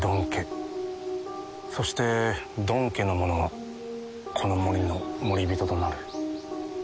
そしてドン家の者はこの森の守り人となる。